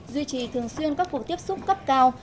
duy trì thường xuyên các cuộc tiếp xúc cấp cao